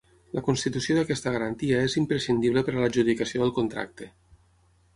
La constitució d'aquesta garantia és imprescindible per a l'adjudicació del contracte.